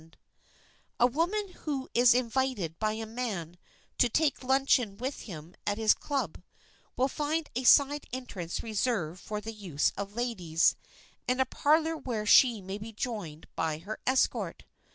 [Sidenote: LUNCHING AT A CLUB] A woman who is invited by a man to take luncheon with him at his club will find a side entrance reserved for the use of ladies, and a parlor where she may be joined by her escort.